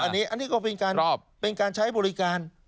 อันนี้ก็เป็นการใช้บริการ